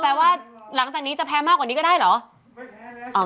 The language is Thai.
แปลว่าหลังจากนี้จะแพ้มากกว่านี้ก็ได้เหรอ